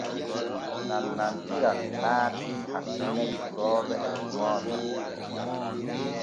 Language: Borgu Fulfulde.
Nanantiran naatii hakkune durooɓe et remooɓe.